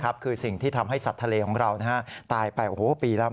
คือสิ่งที่ทำให้สัตว์ทะเลของเราตายไปโอ้โหปีแล้ว